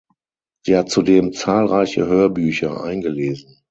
Sie hat zudem zahlreiche Hörbücher eingelesen.